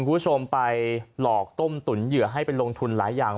คุณผู้ชมไปหลอกต้มตุ๋นเหยื่อให้ไปลงทุนหลายอย่าง